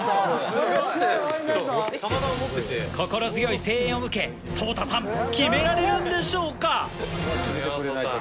心強い声援を受けＳＯＴＡさん決められるんでしょうか？